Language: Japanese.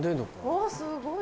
うわっすごい。